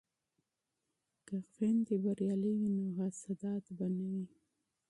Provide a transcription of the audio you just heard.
که خویندې بریالۍ وي نو حسادت به نه وي.